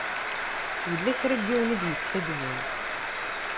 Yella kra n yiwen i d-yeskadben.